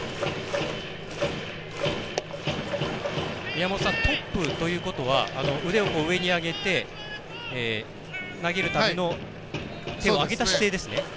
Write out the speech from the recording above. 宮本さん、トップということは腕を上に上げて投げるための手を上げた姿勢ですね。